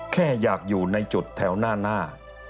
แค่อยากอยู่ในจุดแถวหน้า